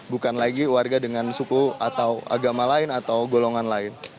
bukan lagi warga dengan suku atau agama lain atau golongan lain